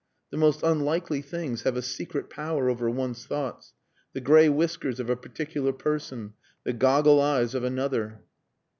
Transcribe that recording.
The most unlikely things have a secret power over one's thoughts the grey whiskers of a particular person the goggle eyes of another."